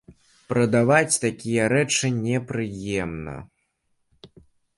Прадаваць такія рэчы непрыемна.